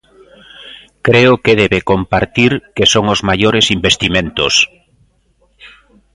Creo que debe compartir que son os maiores investimentos.